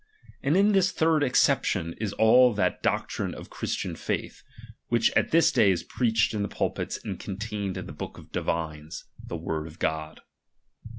And in this third acception is all that tloctriiie of the Christian faith, which at this day is preached in pulpits and contained in the books of divines, the word of God.